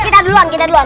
kita duluan kita duluan